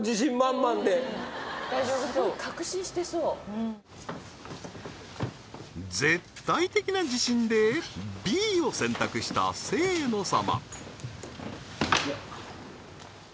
大丈夫そうすごい確信してそう絶対的な自信でＢを選択した清野様